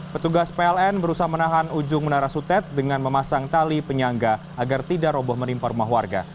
petugas pln berusaha menahan ujung menara sutet dengan memasang tali penyangga agar tidak roboh menimpa rumah warga